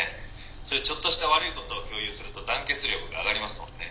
そういうちょっとした悪いことを共有すると団結力が上がりますもんね」。